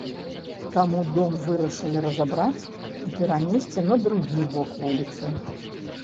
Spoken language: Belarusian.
Таму дом вырашылі разабраць і перанесці на другі бок вуліцы.